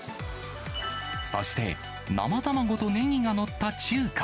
そして、生卵とネギが載った中華。